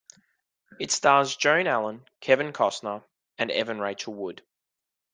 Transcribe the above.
It stars Joan Allen, Kevin Costner and Evan Rachel Wood.